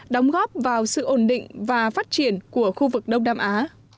đóng góp vào sự ổn định và phát triển của khu vực đông nam á